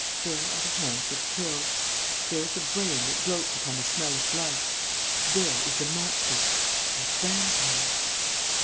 There are the hands that kill. There is the brain that gloats upon the smell of blood. There is the monster, the vampire!